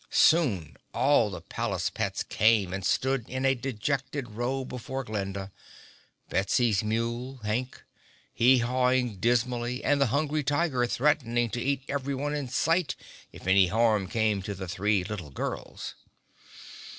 Soon all the palace pets came and stood in a dejected row before Glinda—Betsy's mule, Hank, hee hawing dismally and the Hungry Tiger threatening to eat everyone in sight if any harm came to the three little girls.